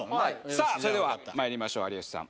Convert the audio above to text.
さあそれでは参りましょう有吉さん。